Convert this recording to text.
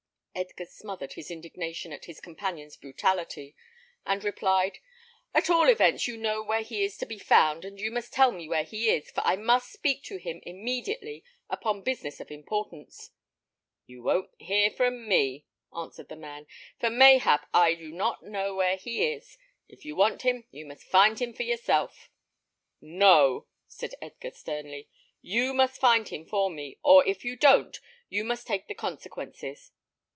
Edgar smothered his indignation at his companion's brutality, and replied, "At all events you know where he is to be found, and you must tell me where he is, for I must speak to him immediately upon business of importance." "You won't hear from me," answered the man; "for mayhap I do not know where he is. If you want him you must find him for yourself." "No," said Edgar, sternly. "You must find him for me, or if you don't you must take the consequences."